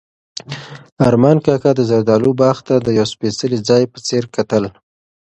ارمان کاکا د زردالو باغ ته د یو سپېڅلي ځای په څېر کتل.